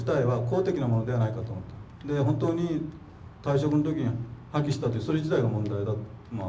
で本当に退職の時に破棄したとそれ自体が問題だと。